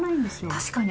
確かに。